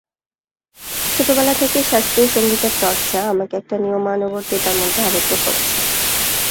ছোটবেলা থেকেই শাস্ত্রীয় সংগীতের চর্চা আমাকে একটা নিয়মানুবর্তিতার মধ্যে আবদ্ধ করেছে।